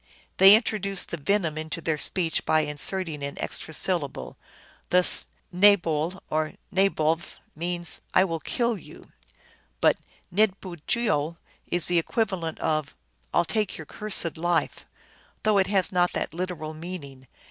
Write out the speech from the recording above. They introduce the venom into their speech by inserting an extra syllable. Thus nabole or naboV means, " I will kill you," but ndbujeol is the equivalent of " I 11 take your cursed life," though it has not that literal meaning.